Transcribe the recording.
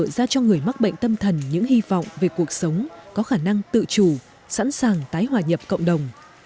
tạo ra cho người mắc bệnh tâm thần những hy vọng về cuộc sống có khả năng tự chủ sẵn sàng tái hòa nhập cộng đồng